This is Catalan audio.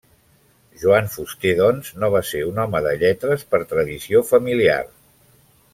Joan Fuster, doncs, no va ser un home de lletres per tradició familiar.